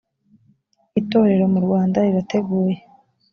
itorero mu rwanda rirateguye